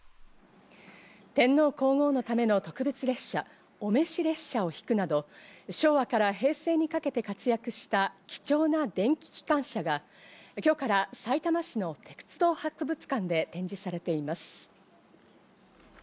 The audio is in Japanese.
天皇皇后のための特別列車、お召し列車をひくなど、昭和から平成にかけて活躍した貴重な電気機関車が今日からさいたま市の鉄道博物館で展示されています。